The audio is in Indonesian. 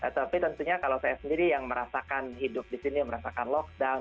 tapi tentunya kalau saya sendiri yang merasakan hidup di sini merasakan lockdown